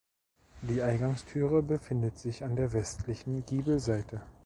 Die Eingangstüre befindet sich an der westlichen Giebelseite.